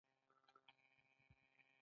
جمال، کمال ته زنګ وکړ.